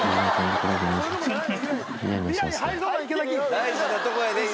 大事なとこやで今。